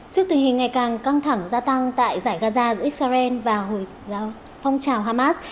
trước tình hình ngày càng căng thẳng gia tăng tại giải gaza giữa israel và hồi phong trào hamas